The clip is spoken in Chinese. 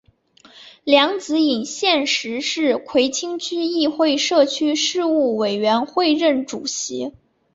梁子颖现时是葵青区议会社区事务委员会任主席。